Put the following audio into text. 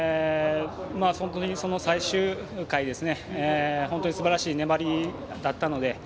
最終回本当にすばらしい粘りだったので。